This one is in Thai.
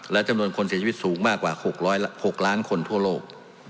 และจำนวนคนเสียชีวิตสูงมากกว่า๖ล้านคนทั่วโลก